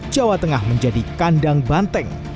jawa tengah menjadi kandang banteng